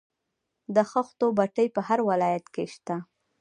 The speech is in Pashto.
د خښتو بټۍ په هر ولایت کې شته